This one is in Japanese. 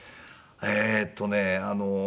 えっとねあの。